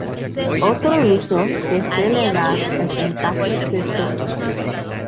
Otro uso que se le da es en casos de tos.